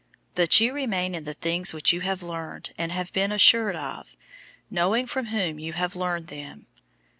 003:014 But you remain in the things which you have learned and have been assured of, knowing from whom you have learned them.